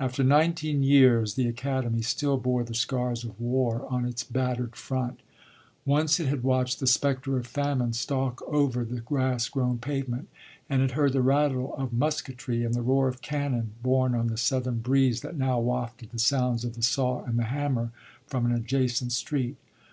After nineteen years, the Academy still bore the scars of war on its battered front. Once it had watched the spectre of famine stalk over the grass grown pavement, and had heard the rattle of musketry and the roar of cannon borne on the southern breeze that now wafted the sounds of the saw and the hammer from an adjacent street.